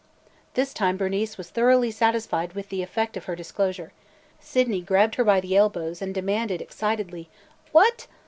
This time Bernice was thoroughly satisfied with the effect of her disclosure. Sydney grabbed her by the elbows and demanded excitedly: "What!